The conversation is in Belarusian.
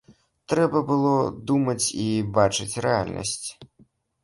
Трэба было думаць і бачыць рэальнасць.